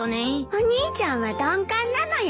お兄ちゃんは鈍感なのよ。